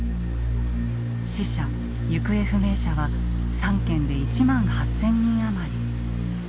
死者行方不明者は３県で１万８，０００人余り。